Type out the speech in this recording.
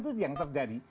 itu yang terjadi